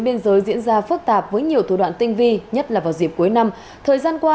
biên giới diễn ra phức tạp với nhiều thủ đoạn tinh vi nhất là vào dịp cuối năm thời gian qua